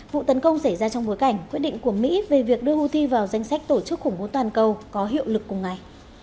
vụ tấn công xảy ra trong bối cảnh quyết định của mỹ về việc đưa houthi vào danh sách tổ chức khủng bố toàn cầu có hiệu lực cùng ngày